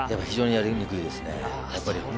非常にやりにくいですね。